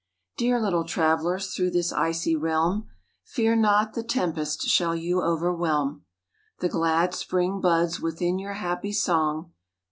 Dear little travelers through this icy realm, Fear not the tempest shall you overwhelm; The glad spring buds within your happy song.